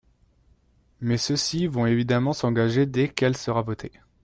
Mais ceux-ci vont évidemment s’engager dès qu’elle sera votée.